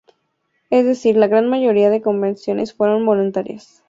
Es decir, la gran mayoría de conversiones fueron voluntarias.